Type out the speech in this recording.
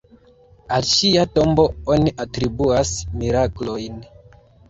Al ŝia tombo oni atribuas miraklojn.